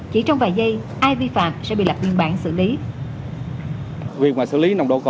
chỉ trong vài giây ai vi phạm sẽ bị lập biên bản xử lý